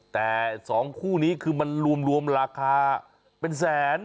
แต่๒คู่นี้คือมันรวมราคาเป็นแสน